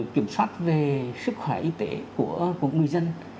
kiểm soát về sức khỏe y tế của người dân